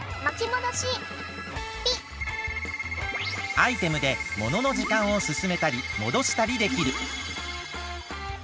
アイテムでもののじかんをすすめたりもどしたりできる。